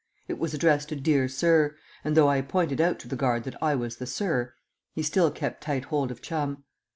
It was addressed to "Dear Sir," and though I pointed out to the guard that I was the "Sir," he still kept tight hold of Chum.